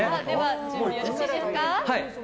準備よろしいですか。